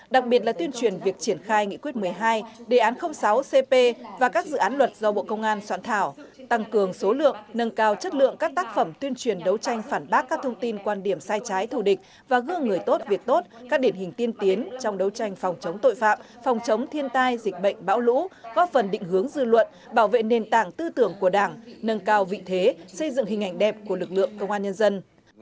đặc biệt là tuyên truyền việc triển khai nghị quyết một mươi hai đề án sáu cp và các dự án luật do bộ công an soạn thảo tăng cường số lượng nâng cao chất lượng các tác phẩm tuyên truyền đấu tranh phản bác các thông tin quan điểm sai trái thù địch và gương người tốt việc tốt các điển hình tiên tiến trong đấu tranh phòng chống tội phạm phòng chống thiên tai dịch bệnh bão lũ góp phần định hướng dư luận bảo vệ nền tảng tư tưởng của đảng nâng cao vị thế xây dựng hình ảnh đẹp của lực lượng công an nhân dân